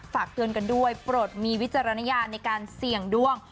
ฝากเตือนกันด้วยโปรดมีวิจารณญาณในการเสี่ยงดวง